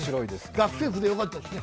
学生服でよかったですね。